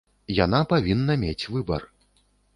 Яна павінна мець выбар.